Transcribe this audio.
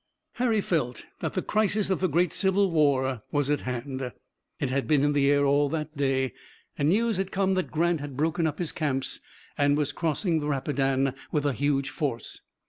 Harry felt that the crisis of the great Civil War was at hand. It had been in the air all that day, and news had come that Grant had broken up his camps and was crossing the Rapidan with a huge force.